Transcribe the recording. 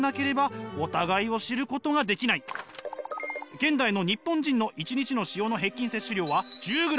現代の日本人の１日の塩の平均摂取量は１０ｇ。